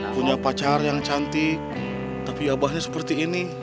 punya pacar yang cantik tapi abahnya seperti ini